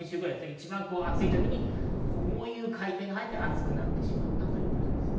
一番暑い時にこういう回転が入って、暑くなってしまったということです。